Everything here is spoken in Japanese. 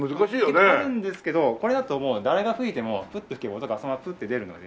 ってなるんですけどこれだともう誰が吹いてもフッと吹けば音がそのままフッと出るので。